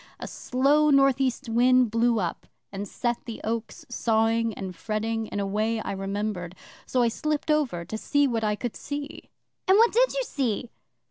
A slow north east wind blew up and set the oaks sawing and fretting in a way I remembered; so I slipped over to see what I could see.' 'And what did you see?